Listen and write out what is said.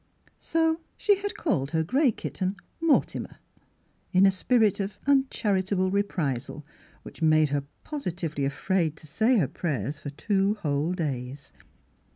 So she had called her grey kitten Mor timer in a spirit of uncharitable reprisal which made her positively afraid to say her prayers for two whole days.